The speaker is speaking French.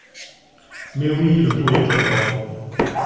Mais oui, le pauvre Cavrois!